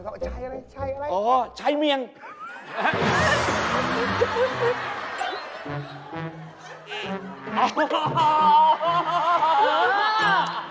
ใส่ตาขาวใส่ตาสั้นไม่เห็นน่ะเต้